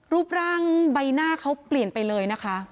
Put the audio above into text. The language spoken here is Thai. รูปร่างใบหน้าเขาเปลี่ยนไปเลยนะคะ